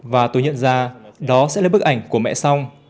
và tôi nhận ra đó sẽ là bức ảnh của mẹ xong